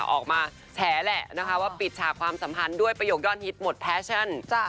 ออกมาแฉแหละนะคะว่าปิดฉากความสัมพันธ์ด้วยประโยคยอดฮิตหมดแฟชั่น